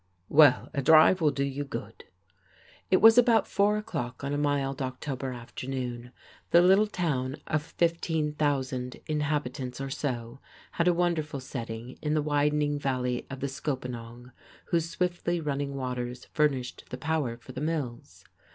"Well, a drive will do you good." It was about four o'clock on a mild October afternoon. The little town, of fifteen thousand inhabitants or so, had a wonderful setting in the widening valley of the Scopanong, whose swiftly running waters furnished the power for the mills.